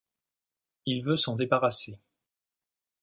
Il veut s'en débarrasser.